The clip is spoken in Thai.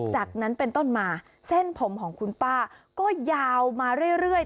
จากนั้นเป็นต้นมาเส้นผมของคุณป้าก็ยาวมาเรื่อย